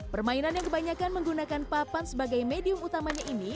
permainan yang kebanyakan menggunakan papan sebagai medium utamanya ini